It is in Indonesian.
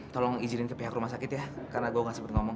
tolong izin ke pihak rumah sakit ya karena gue gak sempat ngomong